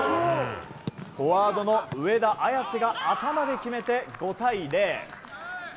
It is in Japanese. フォワードの上田綺世が頭で決めて５対０。